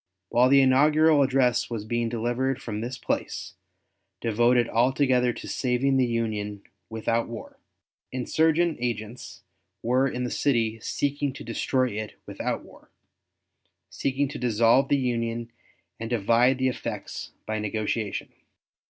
While the inaugural address was being delivered from this place, devoted altogether to saving the Union without war, insurgent agents were in the city seeking to destroy it without war seeking to dissolve the Union and divide the effects by negotiation.